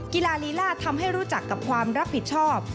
กีฬาลีล่าทำให้รู้จักกับความรับผิดชอบ